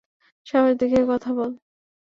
সাহস দেখিয়ে কথা বল।